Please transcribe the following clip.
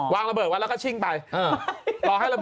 วางระเบิดไว้แล้วก็ชิงไป